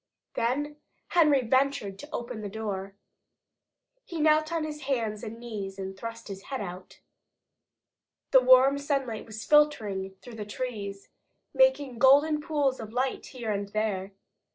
Then Henry ventured to open the door. He knelt on his hands and knees and thrust his head out. The warm sunlight was filtering through the trees, making golden pools of light here and there.